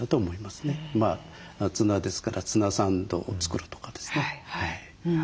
ツナですからツナサンドを作るとかですね。